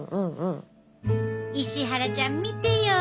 石原ちゃん見てよ。